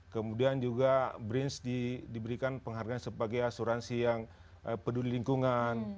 kemudian juga brins diberikan penghargaan sebagai asuransi yang peduli lingkungan